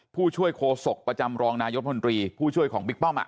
ผู้ช่วยโคศกประจำรองนายกมนตรีผู้ช่วยของบิ๊กป้อม